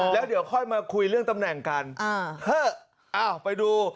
แล้วเดี๋ยวค่อยมาคุยเรื่องตำแหน่งกันเถอะอ้าวไปดู